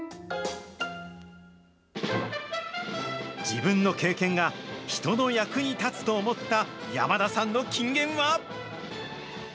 自分の経験が、人の役に立つと思った山田さんの金言は。